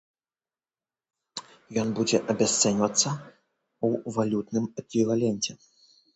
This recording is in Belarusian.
Ён будзе абясцэньвацца ў валютным эквіваленце.